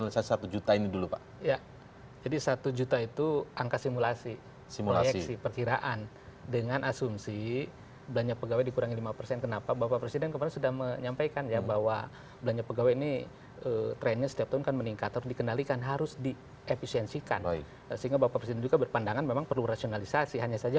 ais hanesti cnn indonesia